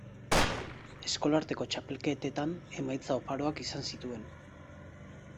Eskolarteko txapelketetan emaitza oparoak izan zituen.